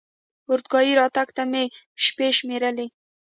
اورګاډي راتګ ته مې شېبې شمېرلې.